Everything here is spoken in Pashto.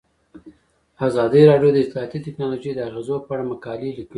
ازادي راډیو د اطلاعاتی تکنالوژي د اغیزو په اړه مقالو لیکلي.